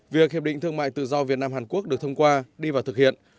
việc hiệp định thương mại tự do việt nam hàn quốc được thông qua đi vào thực hiện